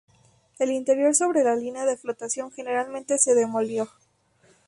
El interior sobre la línea de flotación generalmente se demolió.